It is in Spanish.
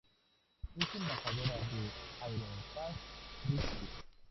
Es embajadora de Aerospace Bristol.